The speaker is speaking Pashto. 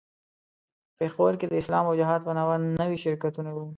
په پېښور کې د اسلام او جهاد په نامه نوي شرکتونه وو.